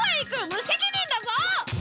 無責任だぞ！